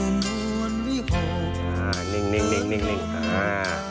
กวงวิโภคปลอดภัยใจเย็นอ่า